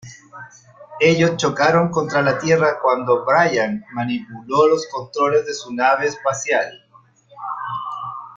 Ellos chocaron contra la Tierra cuando Brian manipuló los controles de su nave espacial.